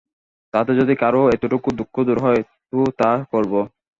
তাতে যদি কারও এতটুকু দুঃখ দূর হয় তো তা করব।